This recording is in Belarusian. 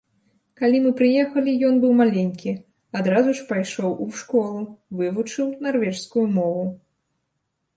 Калі мы прыехалі, ён быў маленькі, адразу ж пайшоў у школу, вывучыў нарвежскую мову.